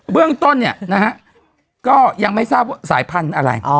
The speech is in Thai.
เบื้องต้นก็ยังไม่ทราบสายพันธุ์อะไร